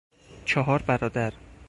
چهار برادر